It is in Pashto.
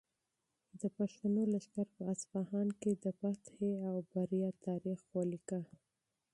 د پښتنو لښکر په اصفهان کې د فتحې او بریا تاریخ ولیکه.